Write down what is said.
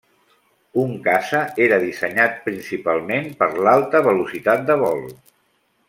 Un caça era dissenyat principalment per a l'alta velocitat de vol.